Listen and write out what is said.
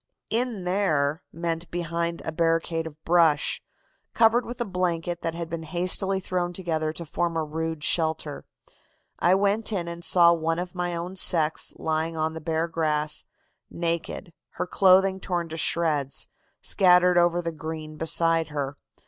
"'In there' meant behind a barricade of brush, covered with a blanket that had been hastily thrown together to form a rude shelter. I went in and saw one of my own sex lying on the bare grass naked, her clothing torn to shreds; scattered over the green beside her.